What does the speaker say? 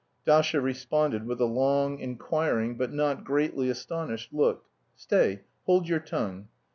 Dasha responded with a long, inquiring, but not greatly astonished look. "Stay, hold your tongue.